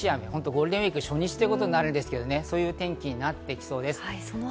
ゴールデンウイーク初日ということになるんですけど、そういう天気になってきそうです。